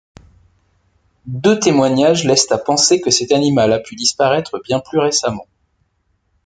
Deux témoignages laissent à penser que cet animal a pu disparaitre bien plus récemment.